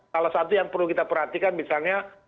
salah satu yang perlu kita perhatikan misalnya